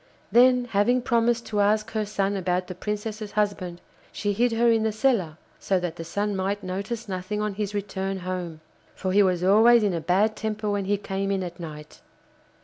Then, having promised to ask her son about the Princess's husband, she hid her in the cellar, so that the Sun might notice nothing on his return home, for he was always in a bad temper when he came in at night.